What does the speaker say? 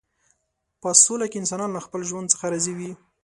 په سوله کې انسانان له خپل ژوند څخه راضي وي.